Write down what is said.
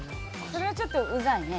それはちょっとうざいね。